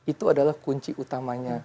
itu adalah kunci utamanya